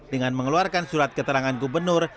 dengan mengeluarkan surat keterangan gubernur